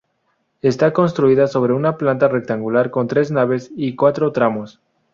Está construida sobre una planta rectangular con tres naves y cuatro tramos.